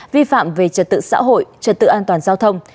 vi phạm về trật tự xã hội trật tự an toàn giao thông